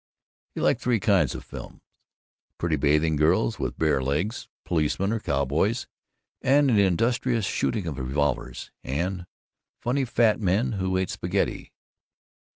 He liked three kinds of films: pretty bathing girls with bare legs; policemen or cowboys and an industrious shooting of revolvers; and funny fat men who ate spaghetti.